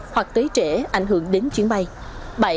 hoặc tới trễ ảnh hưởng đến chuyến bay